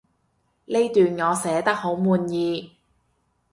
呢段我寫得好滿意